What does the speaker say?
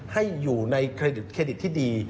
ให้อยู่ในเครดิตที่ดี